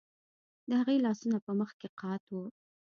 د هغې لاسونه په مخ کې قات وو